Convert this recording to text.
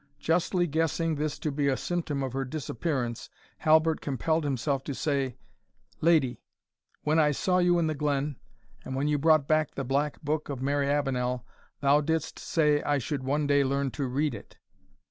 Justly guessing this to be a symptom of her disappearance, Halbert compelled himself to say, "Lady, when I saw you in the glen, and when you brought back the black book of Mary Avenel, thou didst say I should one day learn to read it."